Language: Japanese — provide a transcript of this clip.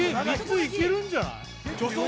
３ついけるんじゃない？